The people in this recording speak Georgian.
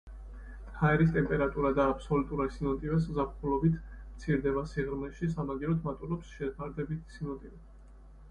ჰაერის ტემპერატურა და აბსოლუტური სინოტივე ზაფხულობით მცირდება სიღრმეში, სამაგიეროდ მატულობს შეფარდებითი სინოტივე.